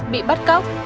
bị bắt cóc